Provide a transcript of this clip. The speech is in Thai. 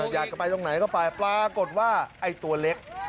อยากจะไปตรงไหนก็ไปปรากฏว่าไอ้ตัวเล็ก